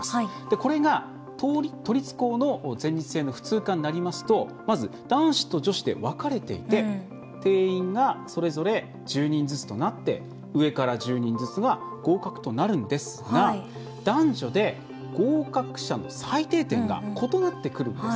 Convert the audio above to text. これが、都立高の全日制普通科になりますとまず男子と女子で別れていて定員がそれぞれ１０人ずつとなって上から１０人ずつが合格となるんですが男女で合格者の最低点が異なってくるんです。